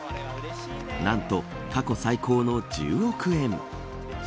なんと、過去最高の１０億円。